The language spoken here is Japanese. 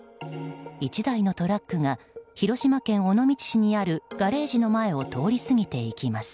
１台のトラックが広島県尾道市にあるガレージの前を通り過ぎていきます。